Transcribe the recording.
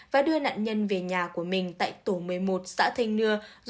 và đưa nạn nhân về nhà của mình tại tổ một mươi một xã thành nương